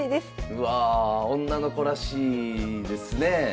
うわ女の子らしいですねえ。